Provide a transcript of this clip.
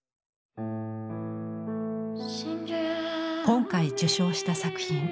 今回受賞した作品。